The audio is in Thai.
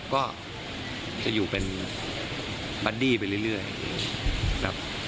ก็จะอยู่เป็นบัดดี้ไปเรื่อยครับ